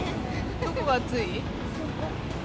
どこが暑い？